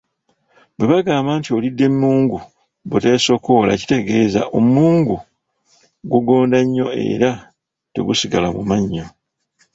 Bwebagamba nti olidde mungu buteesokoola kitegeeza omungu gugonda nnyo era tegusigala mu mannyo.